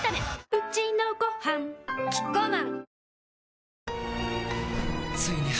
うちのごはんキッコーマン